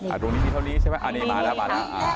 ตรงนี้มีเท่านี้ใช่ไหมอันนี้มาแล้วมาแล้ว